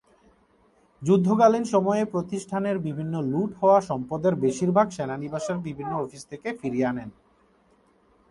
যুদ্ধকালীন সময়ে প্রতিষ্ঠানের বিভিন্ন লুট হওয়ার সম্পদের বেশিরভাগ সেনানিবাসের বিভিন্ন অফিস থেকে ফিরিয়ে আনেন।